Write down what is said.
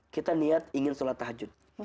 kita niat ingin sholat tahajud